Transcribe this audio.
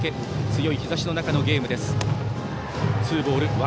強い日ざしの中のゲームです。